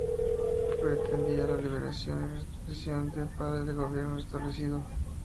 Pretendía la liberación y restitución de su padre en el gobierno establecido.